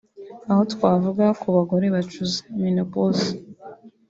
aha twavuga ku bagore bacuze (menopause)